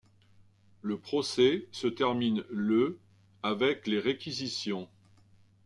Le procès se termine le avec les réquisitions.